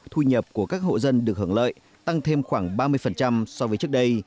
thu nhập của các hộ dân được hưởng lợi tăng thêm khoảng ba mươi so với trước đây